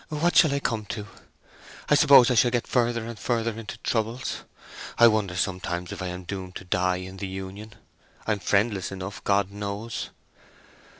What shall I come to! I suppose I shall get further and further into troubles. I wonder sometimes if I am doomed to die in the Union. I am friendless enough, God knows!"